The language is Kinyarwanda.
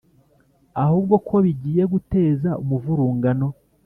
ahubwo ko bigiye guteza umuvurungano